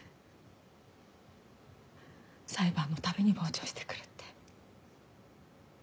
裁判の度に傍聴してくるって。